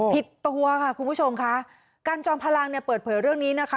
ตัวค่ะคุณผู้ชมค่ะการจอมพลังเนี่ยเปิดเผยเรื่องนี้นะคะ